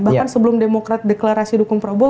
bahkan sebelum demokrat deklarasi dukung prabowo